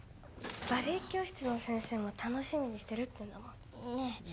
「バレエ教室の先生も楽しみにしてるっていうんだもん」